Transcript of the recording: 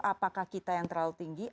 apakah kita yang terlalu tinggi